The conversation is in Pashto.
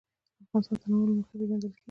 افغانستان د تنوع له مخې پېژندل کېږي.